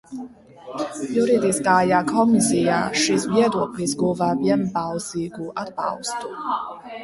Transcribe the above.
Juridiskajā komisijā šis viedoklis guva vienbalsīgu atbalstu.